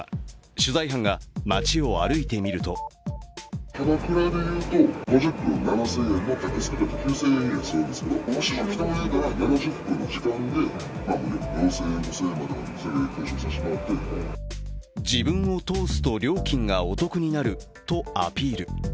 取材班が街を歩いてみると自分を通すと料金がお得になるとアピール。